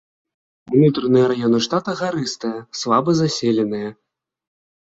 Унутраныя раёны штата гарыстыя, слаба заселеныя.